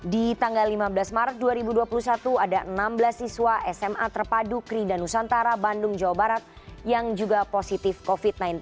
di tanggal lima belas maret dua ribu dua puluh satu ada enam belas siswa sma terpadu krida nusantara bandung jawa barat yang juga positif covid sembilan belas